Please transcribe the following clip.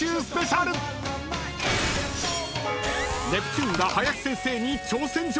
［ネプチューンが林先生に挑戦状］